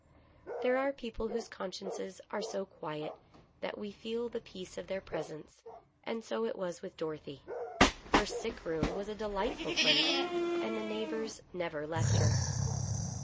There are people whose consciences are so quiet, that we feel the peace of their presence, and so it was with Dorothy. Her sick room was a delightful place, and the neighbors never left her.